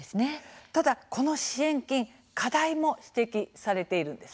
ただこの支援金、課題も指摘されているんです。